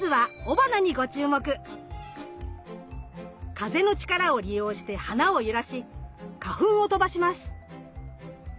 風の力を利用して花を揺らし花粉を飛ばします。